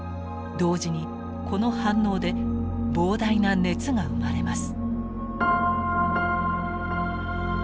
同時にこの反応で膨大な熱が生まれます。